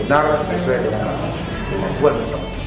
benar dan itu yang menang